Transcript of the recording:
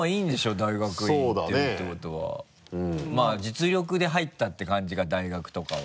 まぁ実力で入ったって感じか大学とかは。